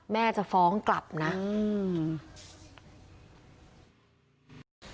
แม่จะฟ้องกลับนะอืม